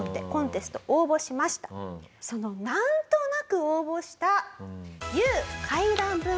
そのなんとなく応募した。